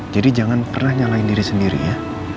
jadi jangan pernah nyalain diri sendiri ya